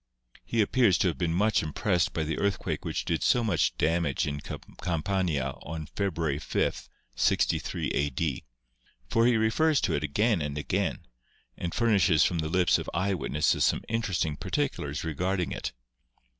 He appears to have been much impressed by the earth quake which did so much damage in Campania on Febru ary 5th, 63 a.d._, for he refers to it again and again, and furnishes from the lips of eye witnesses some interesting particulars regarding it.